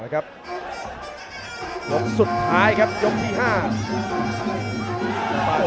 ยกสุดท้ายครับยกที่๕